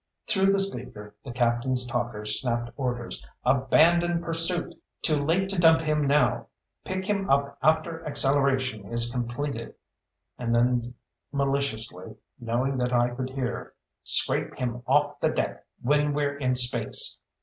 Through the speaker, the captain's talker snapped orders: "Abandon pursuit! Too late to dump him now. Pick him up after acceleration is completed." And then maliciously, knowing that I could hear: "_Scrape him off the deck when we're in space.